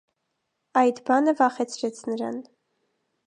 Այդ բանը վախեցրեց նրան: